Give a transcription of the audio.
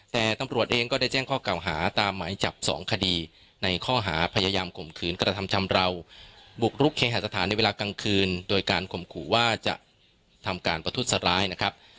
แต่ตำรวจเองก็ได้แจ้งข้อเก่าหาตามหมายจับ๒คดีในข้อหาพยายามข่มขืนกระทำชำราวบุกรุกเคหาสถานในเวลากลางคืนโดยการข่มขู่ว่าจะทำการประทุษร้ายนะครับ